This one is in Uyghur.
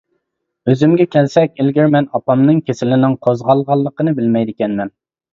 ئۆزۈمگە كەلسەك، ئىلگىرى مەن ئاپامنىڭ كېسىلىنىڭ قوزغالغانلىقىنى بىلمەيدىكەنمەن.